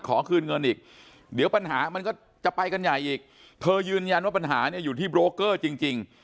ขอคืนเงินอีกเดี๋ยวปัญหามันก็จะไปกันใหญ่อีกเธอยืนยันว่าปัญหาเนี่ยอยู่ที่โบรกเกอร์จริง